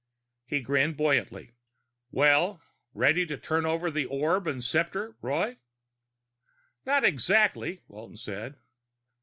He grinned buoyantly. "Well, ready to turn over the orb and scepter, Roy?" "Not exactly," Walton said.